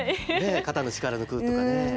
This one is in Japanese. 肩の力抜くとかね。